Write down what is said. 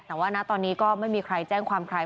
แต่ว่านะตอนนี้ก็ไม่มีใครแจ้งความใคร